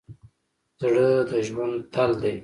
زړه د ژوند تل دی.